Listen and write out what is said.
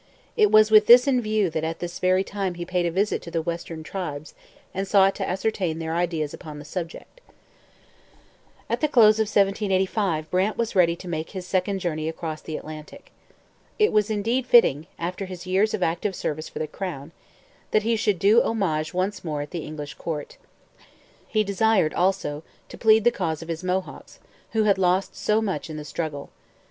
It was with this in view that at this very time he paid a visit to the western tribes and sought to ascertain their ideas upon the subject. At the close of 1785 Brant was ready to make his second journey across the Atlantic. It was indeed fitting, after his years of active service for the crown, that he should do homage once more at the English court. He desired, also, to plead the cause of his Mohawks, who had lost so much in the struggle.